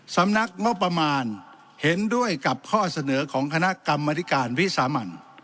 สำนักงบประมาณเห็นด้วยกับข้อเสนอของคณะกรรมธิการวิสามัน